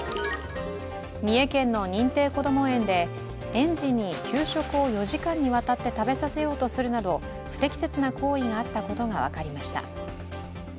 三重県の認定こども園で、園児に給食を４時間にわたって食べさせようとするなど不適切な行為があったことが分かりました。